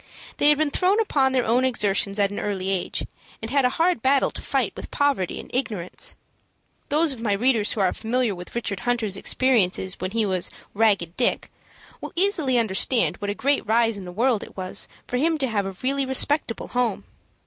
They had been thrown upon their own exertions at an early age, and had a hard battle to fight with poverty and ignorance. Those of my readers who are familiar with Richard Hunter's experiences when he was "Ragged Dick," will easily understand what a great rise in the world it was for him to have a really respectable home.